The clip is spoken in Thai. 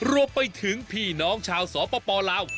รวมไปถึงพี่น้องชาวสปลาว